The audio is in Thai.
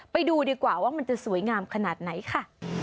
ไปดูดีกว่าว่ามันจะสวยงามขนาดไหนค่ะ